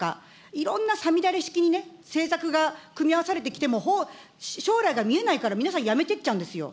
いろんなさみだれ式にね、政策が組み合わされてきても、将来が見えないから、皆さん、やめていっちゃうんですよ。